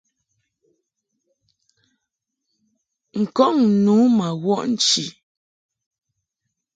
N-kɔŋ nu ma wɔʼ nchi.